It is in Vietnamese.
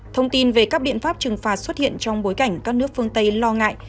thông tin về các biện pháp trừng phạt xuất hiện trong bối cảnh các nước phương tây lo ngại